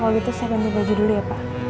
kalau gitu saya bantu baju dulu ya pak